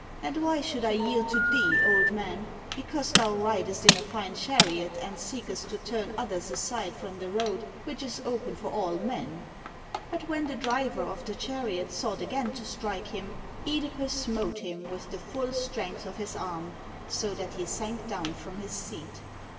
and why should I yield to thee, old man, because thou ridest in a fine chariot and seekest to turn others aside from the road which is open for all men? " But when the driver of the chariot sought again to strike him, (Edipus smote him with the full strength of his arm, so that he sank down from his seat.